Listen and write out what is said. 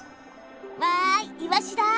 わいイワシだ。